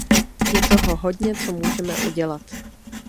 Je toho hodně, co můžeme udělat.